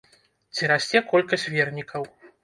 Ці расце колькасць вернікаў?